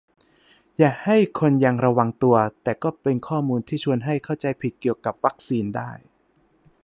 อยากให้คนยังระวังตัว แต่ก็เป็นข้อมูลที่ชวนให้เข้าใจผิดเกี่ยวกับวัคซีนได้